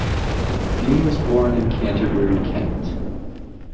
Dean was born in Canterbury, Kent.